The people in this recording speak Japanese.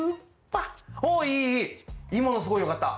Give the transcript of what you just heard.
いまのすごいよかった。